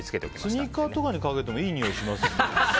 スニーカーとかにかけてもいい匂いしますよね。